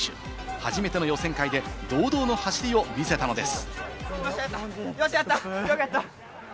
初めての予選会で堂々の走りを見せたのです。